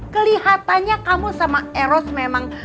kelihatannya kamu sama eros memang